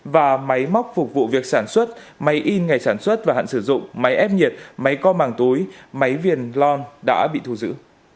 và máy móc phục vụ việc sản xuất máy in ngày sản xuất và hạn sử dụng máy ép nhiệt máy co màng túi máy viền long đã bị thu giữ